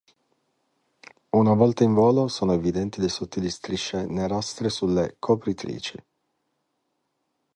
Una volta in volo, sono evidenti le sottili strisce nerastre sulle copritrici.